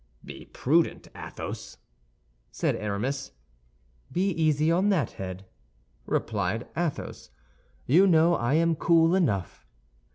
"Be prudent, Athos," said Aramis. "Be easy on that head," replied Athos; "you know I am cool enough."